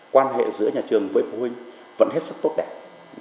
quan hệ giữa nhà trường với phụ huynh vẫn hết sức tốt đẹp